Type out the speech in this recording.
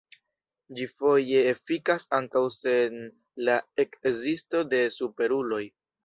Ĝi foje efikas ankaŭ sen la ekzisto de superuloj.